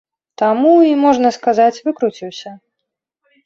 Таму і, можна сказаць, выкруціўся.